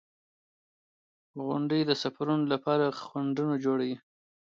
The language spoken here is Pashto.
• غونډۍ د سفرونو لپاره خنډونه جوړوي.